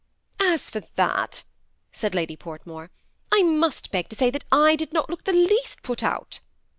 " As for that," said Lady Portmore, " I must beg to say that I did not look the least put out."